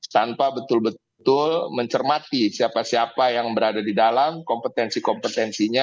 tanpa betul betul mencermati siapa siapa yang berada di dalam kompetensi kompetensinya